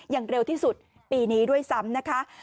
อย่างเร็วที่สุดปีนี้ด้วยซ้ำนะคะ